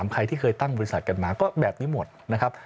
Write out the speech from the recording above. ใครที่เคยตั้งบริษัทกันมาก็แบบนี้หมดนะครับ